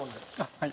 はい。